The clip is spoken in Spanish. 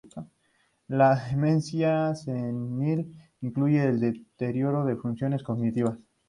La demencia senil incluye el deterioro de funciones cognitivas.